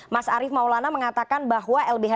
mas arief maulana mengatakan bahwa lbh